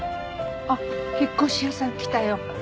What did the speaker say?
あっ引っ越し屋さん来たよ。